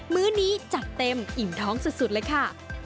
มื้อนี้จัดเต็มอิ่มท้องสุดเลยค่ะ